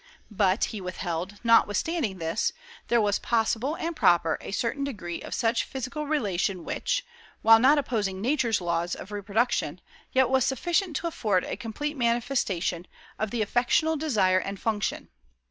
But, he held, notwithstanding this, there was possible and proper a certain degree of such physical relation which, while not opposing Nature's laws of reproduction, yet was sufficient to afford a complete manifestation of the "affectional desire and function."